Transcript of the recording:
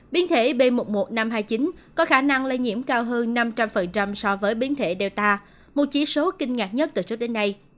b một một năm trăm hai mươi chín có khả năng lây nhiễm cao hơn năm trăm linh so với biến thể delta một chí số kinh ngạc nhất từ trước đến nay